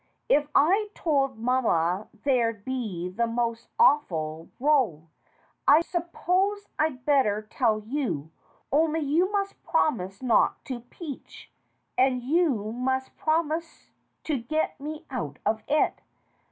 If I told mamma there'd be the most awful row. I suppose I'd better tell you, only you must promise not to peach, and you must promise to get me out of it.